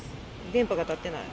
電波が立ってない。